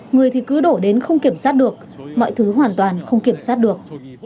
người thì cứ đổ đến không kiểm soát được mọi thứ hoàn toàn không kiểm soát được